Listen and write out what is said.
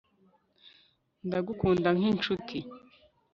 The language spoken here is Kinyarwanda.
ndagukunda nk'inshuti